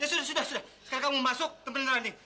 ya sudah sudah sudah sekarang kamu masuk kembali ke rani